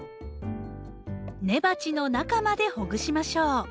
根鉢の中までほぐしましょう。